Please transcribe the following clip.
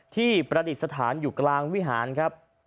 ประดิษฐานอยู่กลางวิหารครับ